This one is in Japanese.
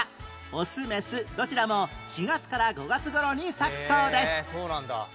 オスメスどちらも４月から５月頃に咲くそうです